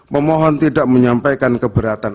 pemohon tidak menyampaikan keberatan